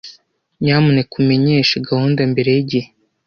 Nyamuneka umenyeshe gahunda mbere yigihe.